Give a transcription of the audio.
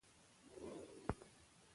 اداره د خلکو پر وړاندې حساب ورکوونکې ده.